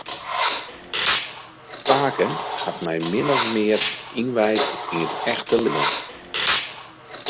Pake hat my min ofte mear ynwijd yn it echte libben.